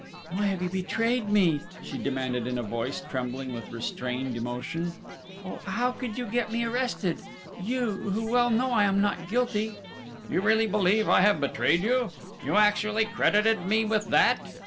"Why have you betrayed me?" she demanded in a voice trembling with restrained emotion. "Oh, how could you get me arrested? You, who well know I am not guilty?" "You really believe I have betrayed you? You actually credited me with that?"